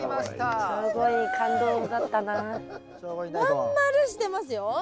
真ん丸してますよ。